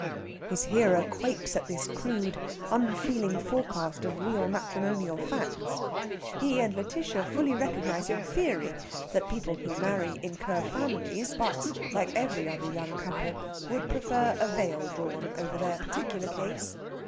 His hearer quakes at this crude, unfeeling forecast of real matrimonial facts. He and Lætitia fully recognise in theory that people who marry incur families; but, like every other young couple, would prefer a veil drawn over their particular case.